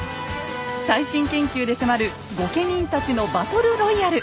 最新研究で迫る御家人たちのバトルロイヤル。